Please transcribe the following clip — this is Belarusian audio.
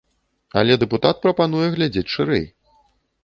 Але дэпутат прапануе глядзець шырэй.